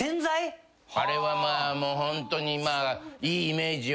あれはまあホントにいいイメージよね。